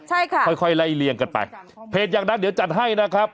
ใช่ค่ะค่อยค่อยไล่เลี่ยงกันไปเพจอย่างนั้นเดี๋ยวจัดให้นะครับ